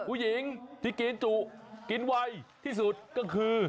ผู้หญิงที่กินจุกินไวที่สุดก็คือ